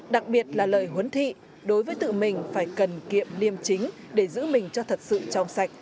đặc biệt là lời huấn thị đối với tự mình phải cần kiệm liêm chính để giữ mình cho thật sự trong sạch